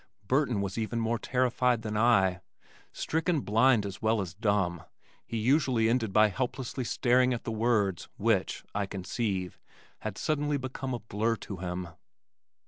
Burton was even more terrified than I. Stricken blind as well as dumb he usually ended by helplessly staring at the words which, I conceive, had suddenly become a blur to him.